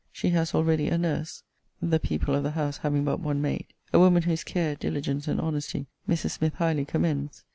She has already a nurse, (the people of the house having but one maid,) a woman whose care, diligence, and honesty, Mrs. Smith highly commends.